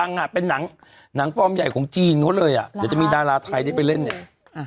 อ่ะเป็นหนังฟอร์มใหญ่ของจีนเขาเลยอ่ะเดี๋ยวจะมีดาราไทยได้ไปเล่นเนี่ย